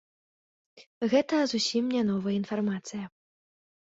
Гэта зусім не новая інфармацыя.